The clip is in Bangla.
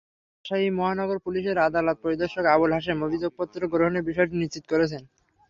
রাজশাহী মহানগর পুলিশের আদালত পরিদর্শক আবুল হাশেম অভিযোগপত্র গ্রহণের বিষয়টি নিশ্চিত করেছেন।